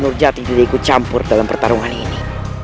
nurjati juga ikut campur dalam pertarungan ini